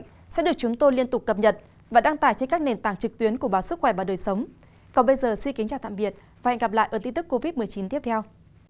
hẹn gặp lại ở tin tức covid một mươi chín tiếp theo